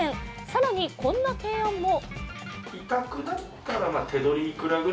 更にこんな提案も。